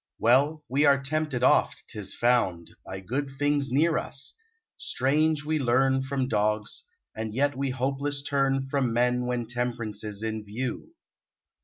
Well, we are tempted oft, 'tis found, By good things near us! Strange, we learn From dogs, and yet we hopeless turn From men when temperance is in view!